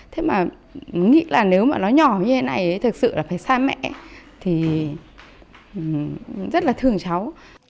thế mà nghĩ là nếu mà nó nhỏ như thế này thực sự là phải xa mẹ thì rất là thường cháu